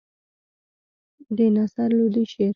د نصر لودي شعر.